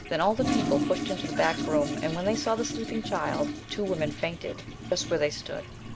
Then all the people pushed into the back room and when they saw the sleeping child, two women fainted, just where they stood.